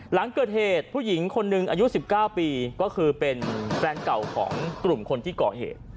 หลังเกิดเหตุผู้หญิงคนหนึ่งอายุ๑๙ปีก็คือเป็นแฟนเก่าของกลุ่มคนที่ก่อเหตุ